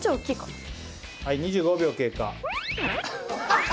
２５秒経過。